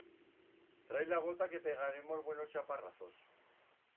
Trai la bota que pegaremos buenos chaparrazos.